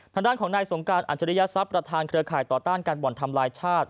ทางด้านของนายสงการอัจฉริยศัพย์ประธานเครือข่ายต่อต้านการบ่อนทำลายชาติ